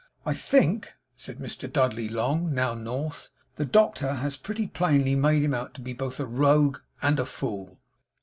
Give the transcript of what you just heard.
'I think (said Mr. Dudley Long, now North) the Doctor has pretty plainly made him out to be both rogue and fool.'